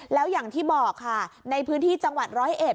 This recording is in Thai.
แล้วอย่างที่บอกค่ะในพื้นที่จังหวัดร้อยเอ็ด